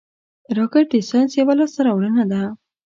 راکټ د ساینس یوه لاسته راوړنه ده